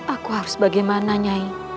aku harus bagaimana nyai